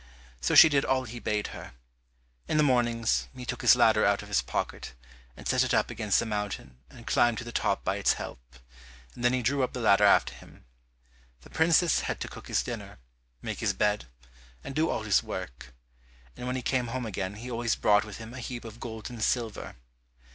So she did all he bade her. In the mornings he took his ladder out of his pocket, and set it up against the mountain and climbed to the top by its help, and then he drew up the ladder after him. The princess had to cook his dinner, make his bed, and do all his work, and when he came home again he always brought with him a heap of gold and silver.